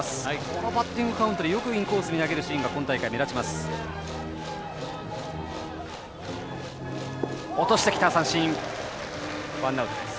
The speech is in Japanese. このバッティングカウントでインコースに投げるシーンが今大会、目立ちます。